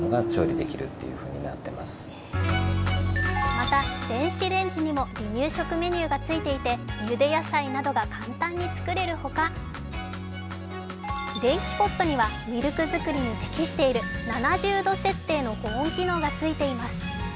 また、電子レンジにも離乳食メニューがついていてゆで野菜などが簡単に作れるほか、電気ポットにはミルク作りに適している７０度設定の保温機能がついています。